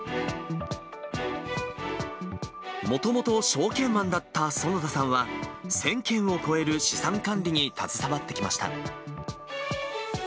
もともと証券マンだった園田さんは、１０００件を超える資産管理に携わってきました。